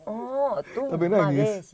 oh tuh malas